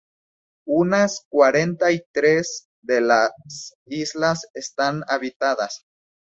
Unas cuarenta y tres de las islas están habitadas.